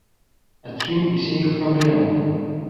Адсюль усе іх праблемы.